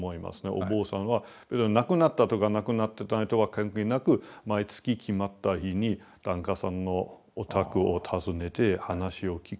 お坊さんは亡くなったとか亡くなってないとは関係なく毎月決まった日に檀家さんのお宅を訪ねて話を聞く。